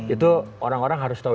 itu orang orang harus tahu